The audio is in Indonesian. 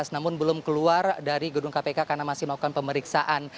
namun belum keluar dari gedung kpk karena masih melakukan pemeriksaan